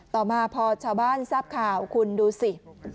ต่อมาพอชาวบ้านทราบข่าวคุณดูสิ